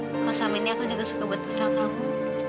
kalo sama ini aku juga suka bertesak kamu